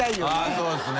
そうですね。